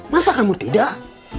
masa kamu tidak